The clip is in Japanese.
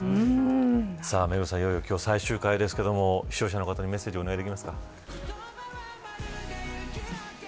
いよいよ、今日最終回ですが視聴者の方にメッセージをお願いできますか。